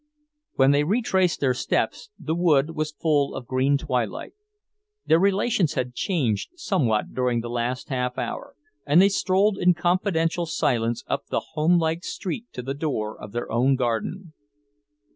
When they retraced their steps, the wood was full of green twilight. Their relations had changed somewhat during the last half hour, and they strolled in confidential silence up the home like street to the door of their own garden.